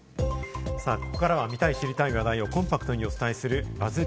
ここからは見たい知りたい話題をコンパクトにお伝えするＢＵＺＺ